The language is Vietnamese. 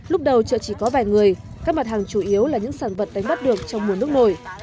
lúc đầu chợ chỉ có vài người các mặt hàng chủ yếu là những sản vật đánh bắt được trong mùa nước nổi